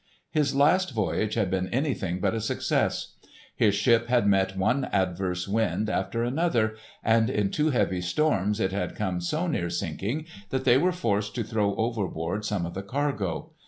His last voyage had been anything but a success. His ship had met one adverse wind after another, and in two heavy storms it had come so near sinking that they were forced to throw overboard some of the cargo.